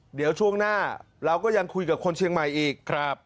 เดี๋ยวช่วงหน้าเราก็ยังคุยกับคนเชียงใหม่อีก